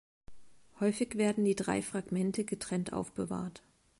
Häufig werden die drei Fragmente getrennt aufbewahrt.